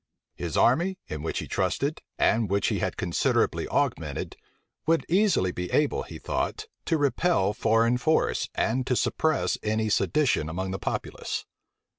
His army, in which he trusted, and which he had considerably augmented, would easily be able, he thought, to repel foreign force, and to suppress any sedition among the populace.